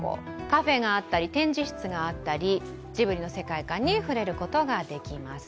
カフェがあったり展示室があったり、ジブリの世界観に触れることができます。